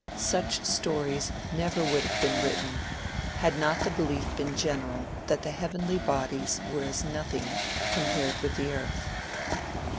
Such stories never would have been written, had not the belief been general that the heavenly bodies were as nothing compared with the earth.